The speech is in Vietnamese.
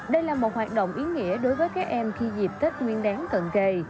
đây là một hoạt động ý nghĩa đối với các em khi dịp tết nguyên đáng cận kề